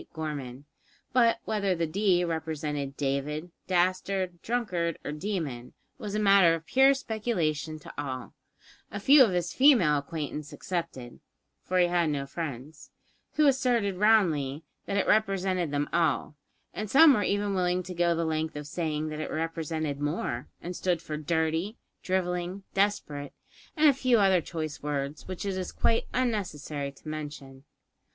Gorman"; but whether the "D" represented David, dastard, drunkard, or demon, was a matter of pure speculation to all, a few of his female acquaintance excepted (for he had no friends), who asserted roundly that it represented them all, and some were even willing to go the length of saying that it represented more, and stood for dirty, drivelling, desperate, and a few other choice words which it is quite unnecessary to mention.